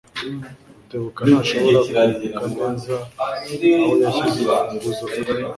Rutebuka ntashobora kwibuka neza aho yashyize urufunguzo rwe.